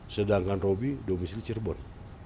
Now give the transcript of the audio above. sedangkan roby domisili cirebon